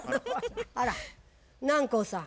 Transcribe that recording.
あら南光さん